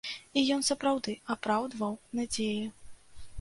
І ён сапраўды апраўдваў надзеі.